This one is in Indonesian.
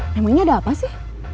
memang ini ada apa sih